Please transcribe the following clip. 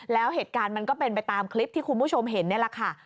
แล้วเหตุการณ์มันก็เป็นไปตามคลิปที่คุณผู้ชมเห็นนี่แหละค่ะ